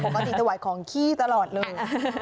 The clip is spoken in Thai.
ปกติถวายของขี้ตลอดเลย